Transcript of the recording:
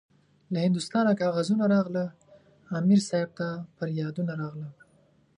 له هندوستانه کاغذونه راغله- امیر صاحب ته پریادونه راغله